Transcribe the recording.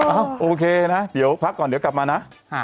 โอเคนะเดี๋ยวพักก่อนเดี๋ยวกลับมานะ